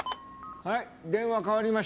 はい電話代わりました。